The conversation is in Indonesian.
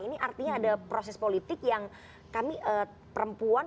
ini artinya ada proses politik yang kami perempuan